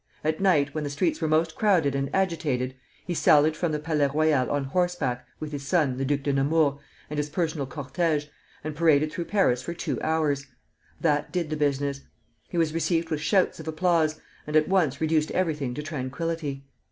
At night, when the streets were most crowded and agitated, he sallied from the Palais Royal on horseback, with his son, the Duc de Nemours, and his personal cortège, and paraded through Paris for two hours. That did the business. He was received with shouts of applause, and at once reduced everything to tranquillity.